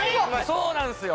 そうなんですよ